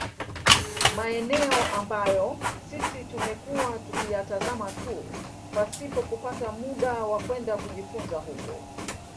Maeneo ambayo sisi tumekuwa tukiyatazama tu pasipo kupata muda wa kwenda kujifunza huko